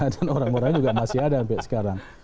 dan orang orang juga masih ada sampai sekarang